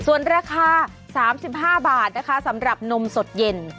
ส่วนราคา๓๕บาทนะคะสำหรับนมสดเย็น